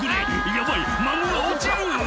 「ヤバい孫が落ちる！」